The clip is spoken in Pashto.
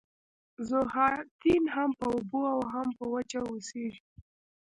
ذوحیاتین هم په اوبو او هم په وچه اوسیږي